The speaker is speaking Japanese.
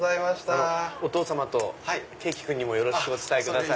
お父さまと佳輝君にもよろしくお伝えください。